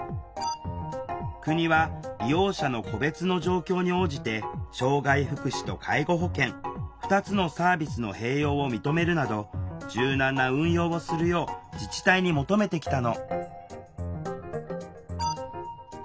国は利用者の個別の状況に応じて障害福祉と介護保険２つのサービスの併用を認めるなど柔軟な運用をするよう自治体に求めてきたの。